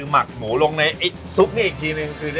หมักแล้วหมูลงได้ซุปนี้อีกที